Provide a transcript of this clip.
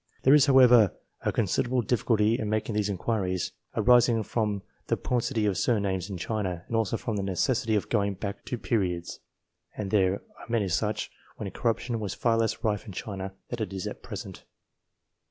There is, however, a considerable difficulty in making these inquiries, arising from the paucity of surnames in China, and also from the necessity of going back to periods (and there are many such) when corruption was far less rife in China than it is at present.